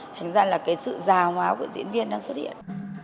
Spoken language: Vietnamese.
thành ra là cái sự già hoá của diễn viên đang xuất hiện